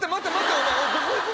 お前。